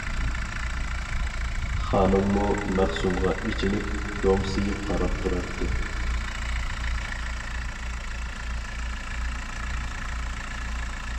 خانىممۇ مەخسۇمغا ئېچىنىپ، دومسىيىپ قاراپ تۇراتتى.